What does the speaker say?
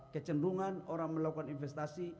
kecenderungan orang melakukan investasi